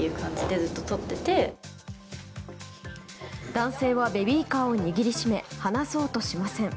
男性はベビーカーを握り締め離そうとしません。